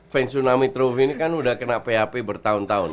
fans tsunami trophy ini kan udah kena php bertahun tahun